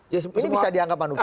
ini bisa dianggap manuver